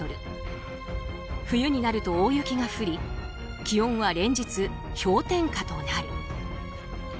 冬になると大雪が降り気温は連日氷点下となる。